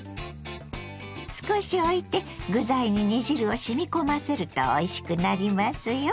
少しおいて具材に煮汁をしみ込ませるとおいしくなりますよ。